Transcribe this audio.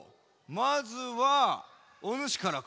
まずはおぬしからか？